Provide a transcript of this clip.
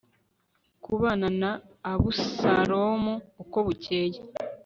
kubana na Abusalomu uko bukeye